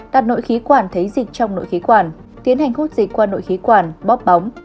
đặt nội khí quản thấy dịch trong nội khí quản tiến hành hút dịch qua nội khí quản bóp bóng